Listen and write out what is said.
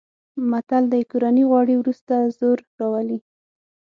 متل دی: کورني غوړي ورسته زور راولي.